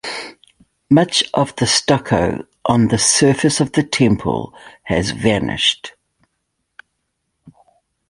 Much of the stucco on the surface of the temple has vanished.